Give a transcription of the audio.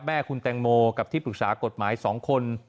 แม่คุณแตงโมกับที่ปรึกษากฎหมาย๒คน